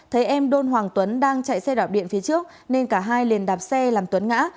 thấy em đôn hoàng tuấn đang chạy xe đạp điện phía trước nên cả hai liền đạp xe làm tuấn ngã